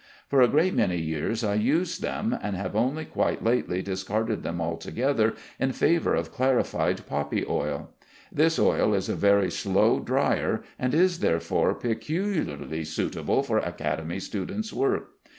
For a great many years I used them, and have only quite lately discarded them altogether in favor of clarified poppy oil. This oil is a very slow drier, and is, therefore, peculiarly suitable for Academy students' work.